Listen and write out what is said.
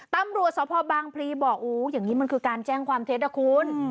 ตำรวจสพบางพลีบอกอย่างนี้มันคือการแจ้งความเท็จนะคุณ